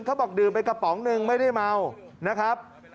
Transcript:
เขาบอกดื่มไปกระป๋องหนึ่งไม่ได้เมานะครับ